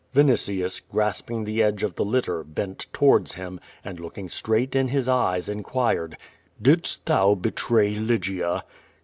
Yinitius, grasping the edge of the litter, bent towards him, and looking straight in his eyes, inquired: "Didst thou betray Lygia?"